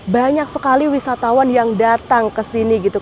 banyak sekali wisatawan yang datang ke sini gitu